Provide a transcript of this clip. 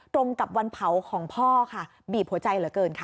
ตรงกับวันเผาของพ่อค่ะบีบหัวใจเหลือเกินค่ะ